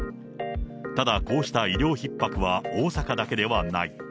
ただ、こうした医療ひっ迫は大阪だけではない。